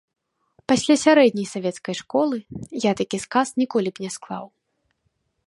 Пасля сярэдняй савецкай школы я такі сказ ніколі б не склаў.